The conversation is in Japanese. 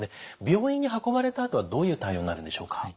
病院に運ばれたあとはどういう対応になるんでしょうか？